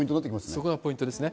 そこがポイントですね。